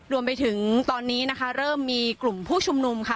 รวมไปถึงตอนนี้นะคะเริ่มมีกลุ่มผู้ชุมนุมค่ะ